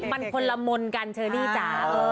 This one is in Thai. มันคนละมนต์กันเชอรี่จ๋า